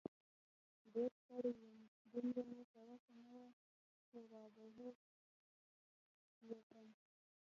ډېر ستړی وم، دومره مې په وسه نه وه چې را بهر یې کړم.